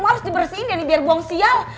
cuma harus dibersihin ya biar buang sial